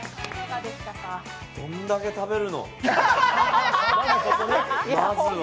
どんだけ食べるの、まずは。